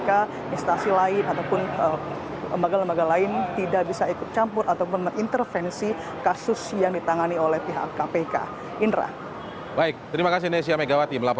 khususnya adalah menanggapi hal itu tetapi memang kalau kita melihat banyak sekali kepala lembaga negara yang juga tersebut berada di ranah kpk